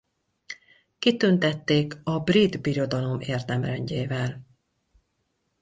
Kitüntették a A Brit Birodalom Érdemrendjével.